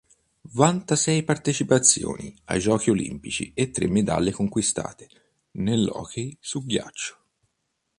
Vanta sei partecipazioni ai Giochi olimpici e tre medaglie conquistate nell'hockey su ghiaccio.